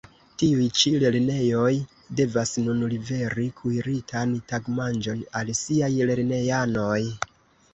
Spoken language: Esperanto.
Tiuj ĉi lernejoj devas nun liveri kuiritan tagmanĝon al siaj lernejanoj.